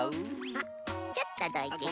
あっちょっとどいてね。